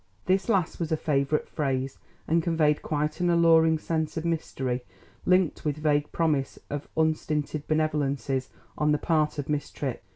This last was a favourite phrase, and conveyed quite an alluring sense of mystery linked with vague promise of unstinted benevolences on the part of Miss Tripp.